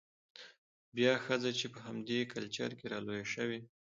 بيا ښځه چې په همدې کلچر کې رالوى شوې،